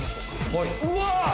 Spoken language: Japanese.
うわ！